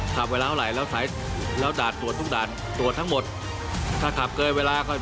อย่าโบรยบายนะถ้าทุกคนต้องการความปลอดภัยก็ต้องร่วมมือกับผม